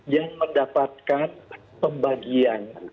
yang mendapatkan pembagian